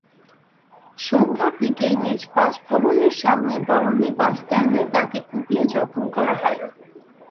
সন্ধ্যার দিকে নিজ বাসভবনের সামনে বরমী বাসস্ট্যান্ডে তাঁকে কুপিয়ে জখম করা হয়।